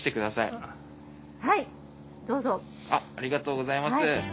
ありがとうございます。